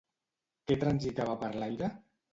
Què transitava per l'aire?